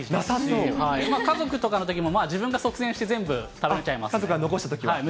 家族とかのときもまあ、自分が率先して全部食べちゃいますね。